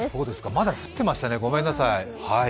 まだ降ってましたね、ごめんなさい。